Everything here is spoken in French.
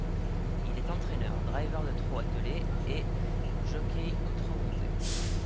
Il est entraîneur, driver de trot attelé et jockey au trot monté.